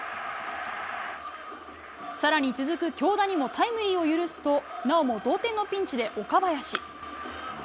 さらに続く京田にもタイムリーを許すと、なおも同点のピンチで、岡林。